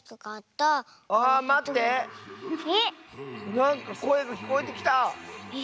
なんかこえがきこえてきた！え？